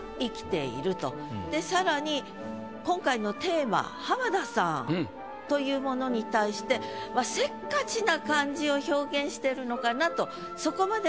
でさらに今回の。というものに対してせっかちな感じを表現してるのかなとそこまで。